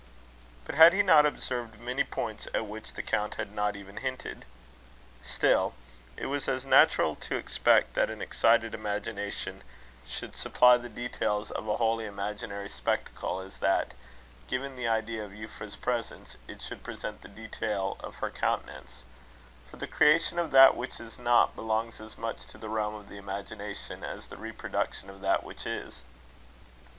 But had he not observed many points at which the Count had not even hinted? Still, it was as natural to expect that an excited imagination should supply the details of a wholly imaginary spectacle, as that, given the idea of Euphra's presence, it should present the detail of her countenance; for the creation of that which is not, belongs as much to the realm of the imagination, as the reproduction of that which is.